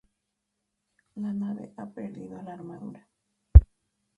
La nave ha perdido la armadura.